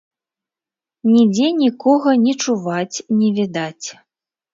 Нідзе нікога не чуваць, не відаць.